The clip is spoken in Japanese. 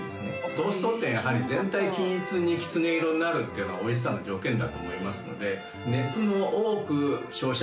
トーストってやはり全体均一にきつね色になるっていうのがおいしさの条件だと思いますので。